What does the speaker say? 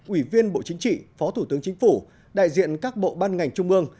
ủy viên bộ chính trị phó thủ tướng chính phủ đại diện các bộ ban ngành trung ương